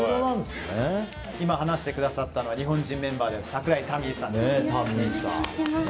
今話してくださったのは日本人メンバーで櫻井多美衣さんです。